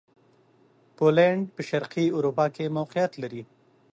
پولېنډ په شرقي اروپا کښې موقعیت لري.